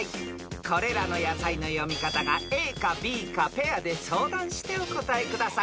［これらの野菜の読み方がＡかＢかペアで相談してお答えください］